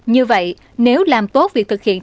như vậy nếu làm tốt việc thực hiện